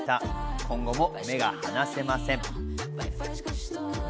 今後も目が離せません。